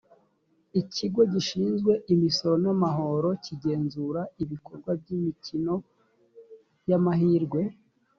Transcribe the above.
ikigo gishinzwe imisoro n’amahoro kigenzura ibikorwa by’ imikino y’ amahirwe